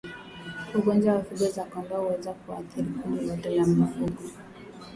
Ugonjwa wa figo za kondoo huweza kuathiri kundi lote la mifugo